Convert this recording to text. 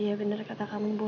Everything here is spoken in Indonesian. iya bener kata kamu boy